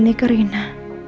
seperti ini karina